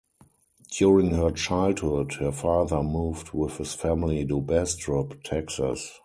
During her childhood, her father moved with his family to Bastrop, Texas.